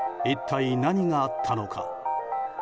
一体、何があったのか。